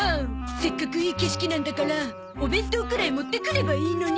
せっかくいい景色なんだからお弁当くらい持ってくればいいのに。